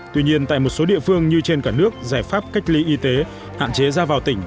tuy nhiên tại một số địa phương như trên cả nước giải pháp cách ly y tế hạn chế ra vào tỉnh